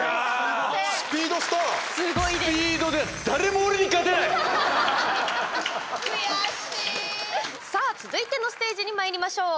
スピードスター！続いてのステージにまいりましょう。